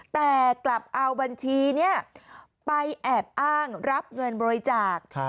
แต่กลับเอาบัญชีนี้ไปแอบอ้างรับเงินบริจาค